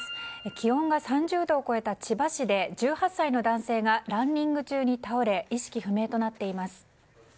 気温が３０度を超えた千葉市で１８歳の男性がランニング中に倒れ意識不明となっています。